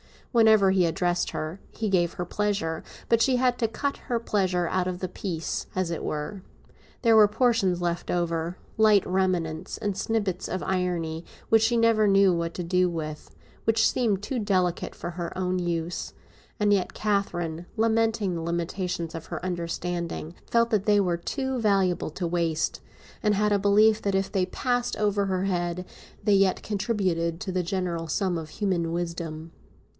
Whenever he addressed her he gave her pleasure; but she had to cut her pleasure out of the piece, as it were. There were portions left over, light remnants and snippets of irony, which she never knew what to do with, which seemed too delicate for her own use; and yet Catherine, lamenting the limitations of her understanding, felt that they were too valuable to waste and had a belief that if they passed over her head they yet contributed to the general sum of human wisdom.